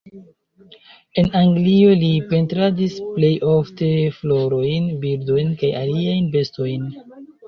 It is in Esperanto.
En Anglio li pentradis plej ofte florojn, birdojn kaj aliajn bestojn.